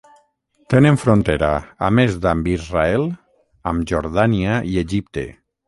Tenen frontera, a més d'amb Israel, amb Jordània i Egipte.